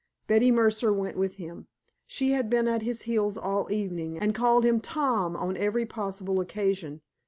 Betty Mercer went with him. She had been at his heels all evening, and called him "Tom" on every possible occasion.